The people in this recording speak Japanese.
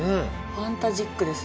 ファンタジックですね。